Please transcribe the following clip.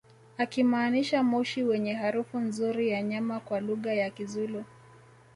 akimaanisha moshi wenye harufu nzuri ya nyama kwa lugha ya kizulu